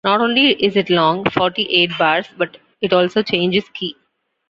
Not only is it long - forty-eight bars - but it also changes key.